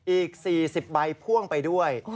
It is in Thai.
อีก๔๐ใบพ่วงไปด้วย